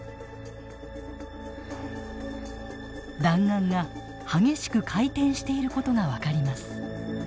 弾丸が激しく回転していることが分かります。